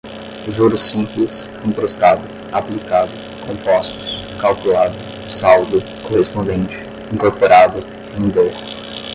juros simples, emprestado, aplicado, compostos, calculado, saldo, correspondente, incorporado, render